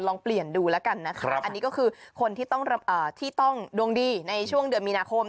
ลองเปลี่ยนดูแล้วกันนะคะอันนี้ก็คือคนที่ต้องดวงดีในช่วงเดือนมีนาคม